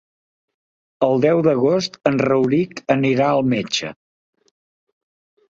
El deu d'agost en Rauric anirà al metge.